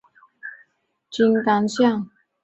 唐密秽迹金刚像上顶有释迦牟尼佛。